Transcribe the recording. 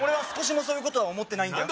少しもそういうことは思ってない